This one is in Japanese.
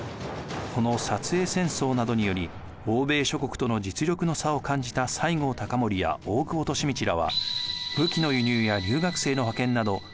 この英戦争などにより欧米諸国との実力の差を感じた西郷隆盛や大久保利通らは武器の輸入や留学生の派遣など改革を進めていきます。